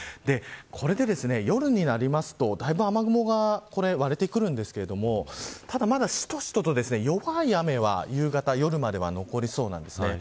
これで夜になりますとだいぶ雨雲が割れてくるんですけれどもただ、まだしとしとと、弱い雨は夕方、夜までは残りそうなんですね。